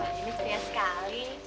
waduh ini pria sekali